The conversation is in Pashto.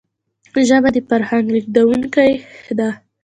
ژبه د فرهنګ لېږدونکی ده